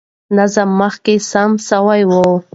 نظام مخکې سم سوی و.